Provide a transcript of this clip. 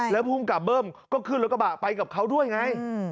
แล้วภูมิกับเบิ้มก็ขึ้นรถกระบะไปกับเขาด้วยไง